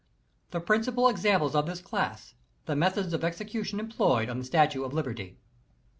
THE PRINXIPAL EXAMPLES OF THIS CLASS ^THE METHODS OF EXECUTION EMPLOYED ON THE STATUE OF LIBERTY.